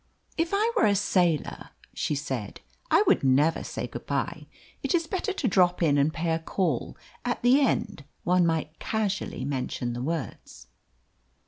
"If I were a sailor," she said, "I would never say good bye. It is better to drop in and pay a call; at the end one might casually mention the words."